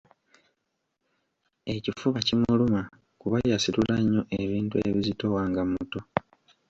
Ekifuba kimuluma kuba yasitula nnyo ebintu ebizitowa nga muto.